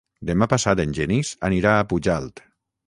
Demà passat en Genís anirà a Pujalt.